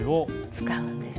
使うんです。